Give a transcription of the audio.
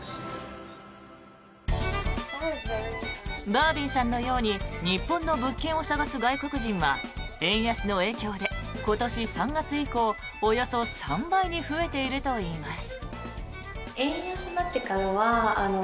バービンさんのように日本の物件を探す外国人は円安の影響で今年３月以降およそ３倍に増えているといいます。